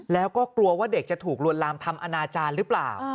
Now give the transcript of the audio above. แล้วก็กลัวว่าเด็กจะถูกลวนลามทำอนาจารย์หรือเปล่า